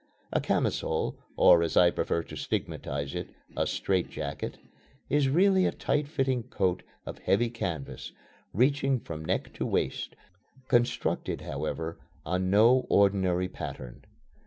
A camisole, or, as I prefer to stigmatize it, a straitjacket, is really a tight fitting coat of heavy canvas, reaching from neck to waist, constructed, however, on no ordinary pattern.